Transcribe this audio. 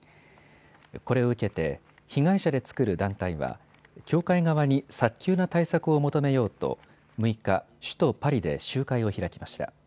これを受けて被害者で作る団体は教会側に早急な対策を求めようと６日、首都パリで集会を開きました。